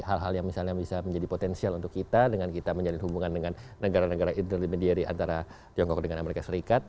hal hal yang misalnya bisa menjadi potensial untuk kita dengan kita menjalin hubungan dengan negara negara intermediary antara tiongkok dengan amerika serikat